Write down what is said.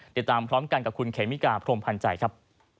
ติดตามพร้อมกันกับคุณเขมิกาพรมพันธ์ใจครับ